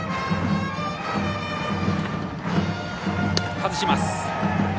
外します。